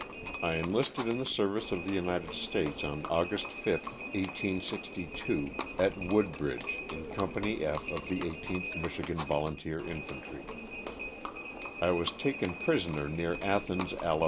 I enlisted in the service of the United States on August 5, 18^)2, at Woodbridge, in Company F of the 18th Michigan Volunteer Infantry. I was taken prisoner near Athens, Ala.